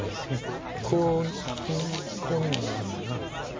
１コウにコウにもならないな。